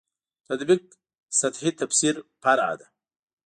تطبیق سطح تفسیر فرع ده.